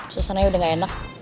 suasana udah gak enak